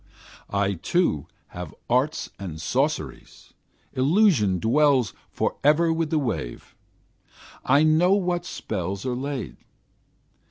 I too have arts and sorceries; Illusion dwells forever with the wave. I know what spells are laid.